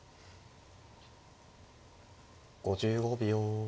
５５秒。